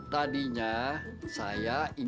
tadinya saya ingin mengembalikan